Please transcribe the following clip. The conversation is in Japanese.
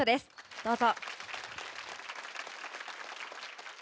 どうぞ。